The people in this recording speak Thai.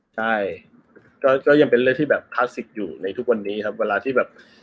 ใช่ก็ยังเป็นเรื่องที่คลาสสิกอยู่ในทุกวันนี้ครับ